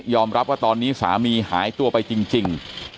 รับว่าตอนนี้สามีหายตัวไปจริง